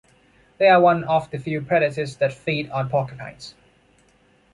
They are one of the few predators that feed on porcupines.